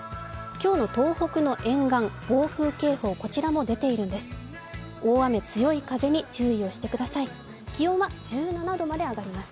今日の東北の沿岸暴風警報、こちらも出ているんです。